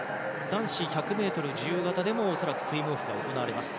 男子１００ｍ自由形でも恐らくスイムオフが行われます。